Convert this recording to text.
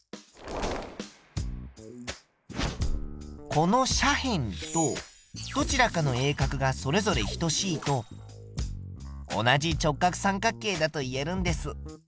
この斜辺とどちらかの鋭角がそれぞれ等しいと同じ直角三角形だと言えるんです。